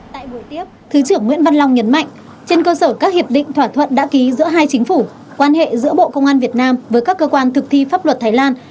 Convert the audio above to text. tại buổi tiếp thứ trưởng nguyễn văn long nhấn mạnh trên cơ sở các hiệp định thỏa thuận đã ký giữa hai chính phủ quan hệ giữa bộ công an việt nam với các cơ quan thực thi pháp luật thái lan